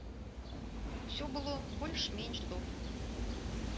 Усё было больш-менш добра.